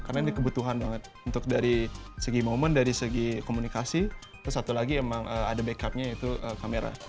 karena ini kebutuhan banget untuk dari segi momen dari segi komunikasi terus satu lagi emang ada backupnya yaitu kamera